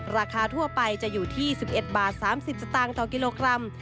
ราคาทั่วไปจะอยู่ที่๑๑บาท๓๐สตางค์ต่อกิโลกรัม